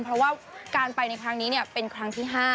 เพราะว่าการไปในครั้งนี้เป็นครั้งที่๕